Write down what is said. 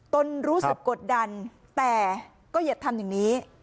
นรู้สึกกดดันแต่ก็อย่าทำอย่างนี้